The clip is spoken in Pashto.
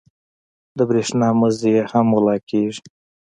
د برېښنا مزي یې هم غلا کېږي.